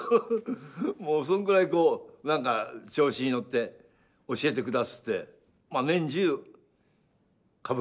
もうそのくらいこう何か調子に乗って教えてくだすって。